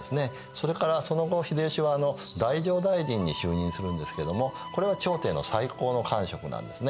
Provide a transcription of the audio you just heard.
それからその後秀吉は太政大臣に就任するんですけどもこれは朝廷の最高の官職なんですね。